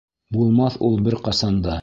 Булмаҫ ул бер ҡасан да...